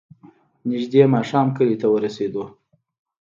نژدې ماښام کلي ته ورسېدو.